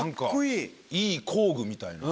いい工具みたいな。